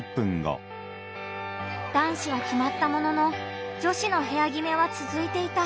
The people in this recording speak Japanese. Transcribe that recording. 男子は決まったものの女子の部屋決めは続いていた。